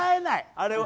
あれは。